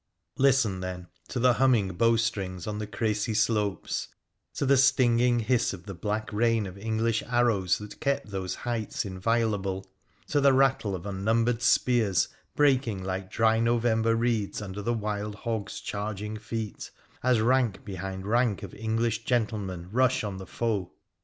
Listen, then, to the humming bow strings on the Crecy slopes — to the stinging hiss of the black rain of English 198 WONDERFUL ADVENTURES OF arrows that kept those heights inviolable— to the rattle of unnumbered spears, breaking like dry November reeds under the wild hog's charging feet, as rank behind rank of English gentlemen rush on the foe